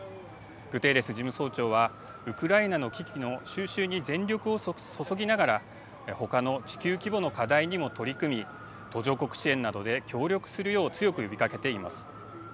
グテーレス事務総長はウクライナの危機の収拾に全力を注ぎながら他の地球規模の課題にも取り組み途上国支援などで協力するよう強く呼びかけています。